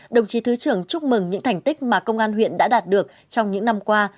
đồng chí thứ trưởng chúc mừng những thành tích mà công an huyện đã đạt được trong những năm qua